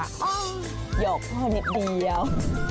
หยอกพ่อนิดเดียว